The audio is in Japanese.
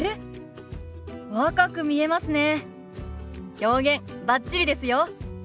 表現バッチリですよ。